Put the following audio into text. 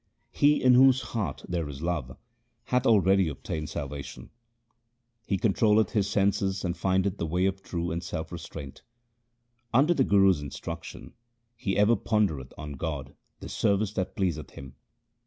He in whose heart there is love, hath already obtained salvation ; He controlleth his senses and findeth the way of truth and self restraint ; Under the Guru's instruction he ever pondereth on God — the service that pleaseth him.